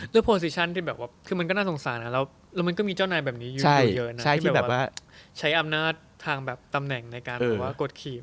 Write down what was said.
แล้วโปสิชั่นที่แบบว่าคือมันก็น่าสงสารนะแล้วมันก็มีเจ้านายแบบนี้อยู่อยู่เยอะใช้อำนาจทางตำแหน่งในการกดขี่